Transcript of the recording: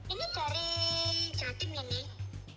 ini dari jantim ini